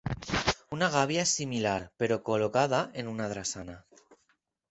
Una gàbia és similar, però col·locada en una drassana.